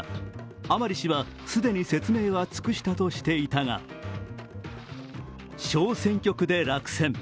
甘利氏はすでに説明は尽くしたとしていたが小選挙区で落選。